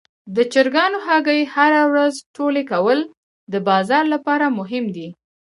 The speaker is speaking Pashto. د چرګانو هګۍ هره ورځ ټولې کول د بازار لپاره مهم دي.